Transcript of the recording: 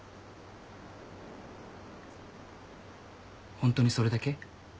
ホントにそれだけ？